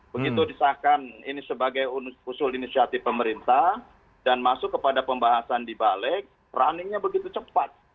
begitu disahkan ini sebagai usul inisiatif pemerintah dan masuk kepada pembahasan di balik runningnya begitu cepat